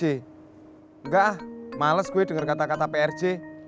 enggak ah males gue denger kata kata prj